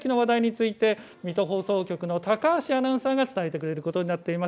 水戸放送局の高橋アナウンサーが伝えてくれることになっています。